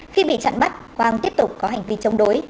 khi bị chặn bắt quang tiếp tục có hành vi chống đối